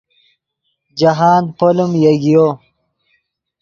جاہند پولیم یگیو